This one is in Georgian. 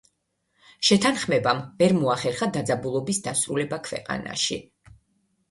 შეთანხმებამ ვერ მოახერხა დაძაბულობის დასრულება ქვეყანაში.